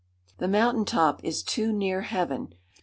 The mountain top is too near heaven.